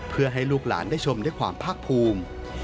เพื่อให้ลูกหลานได้ชมด้วยความภาคภูมิ